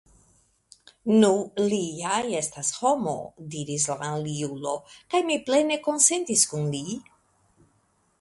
Nu, li ja estas homo, diris la aliulo, kaj mi plene konsentis kun li.